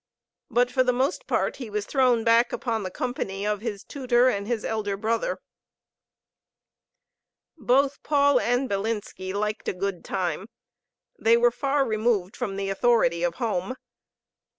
But for the most part he was thrown back upon the company of his tutor and his elder brother. Both Paul and Bilinski liked a good time." They were far removed from the authority of home.